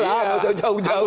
gak usah jauh jauh